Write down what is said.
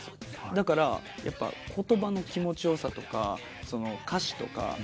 だから言葉の気持ちよさとか歌詞とか。